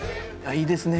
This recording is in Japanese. いいですね。